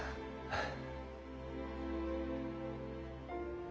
フッ。